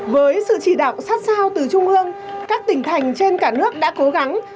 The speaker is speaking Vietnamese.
với sự chỉ đạo sát sao từ trung ương các tỉnh thành trên cả nước đã cố gắng